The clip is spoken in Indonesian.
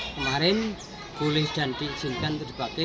kemarin boleh dan diizinkan terdebati